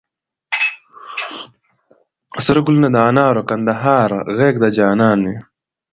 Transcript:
سره ګلونه د انارو، کندهار غېږ د جانان مي